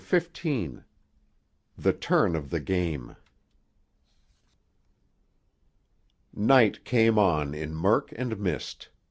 CHAPTER XV—THE TURN OF THE GAME Night came on in murk and mist.